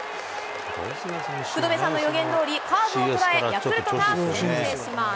福留さんの予言どおり、カーブを捉え、ヤクルトが先制します。